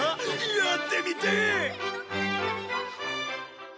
やってみてえ！